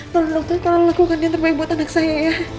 tolong dokter tolong lakukan yang terbaik buat anak saya ya